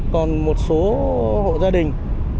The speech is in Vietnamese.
còn một số hộ gia đình